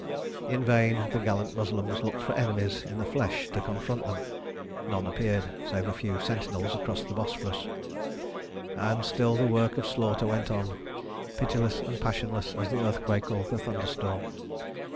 In vain the gallant Moslems looked for enemies in the flesh to confront them. None appeared save a few sentinels across the Bosphorus. And still the work of slaughter went on, pitiless and passionless as the earthquake or the thunderstorm.